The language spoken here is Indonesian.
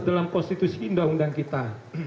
dalam konstitusi undang undang kita